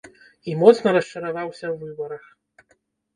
І моцна расчараваўся ў выбарах.